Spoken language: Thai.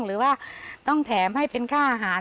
หรือว่าต้องแถมให้เป็นค่าอาหาร